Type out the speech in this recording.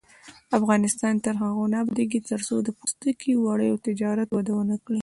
افغانستان تر هغو نه ابادیږي، ترڅو د پوستکي او وړیو تجارت وده ونه کړي.